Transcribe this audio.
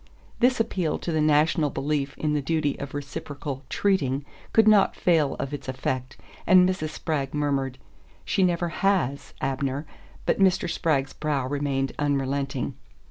This appeal to the national belief in the duty of reciprocal "treating" could not fail of its effect, and Mrs. Spragg murmured: "She never HAS, Abner," but Mr. Spragg's brow remained unrelenting.